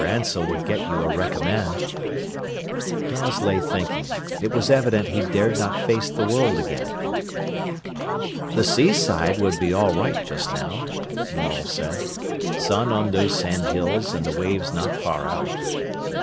Ansell would get you a recommend." Dawes lay thinking. It was evident he dared not face the world again. "The seaside would be all right just now," Morel said. "Sun on those sandhills, and the waves not far out."